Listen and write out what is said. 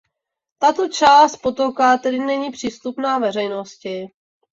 Tato část potoka tedy není přístupná veřejnosti.